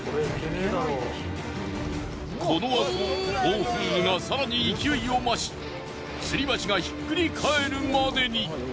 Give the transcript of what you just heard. このあと暴風雨が更に勢いを増し吊り橋がひっくり返るまでに。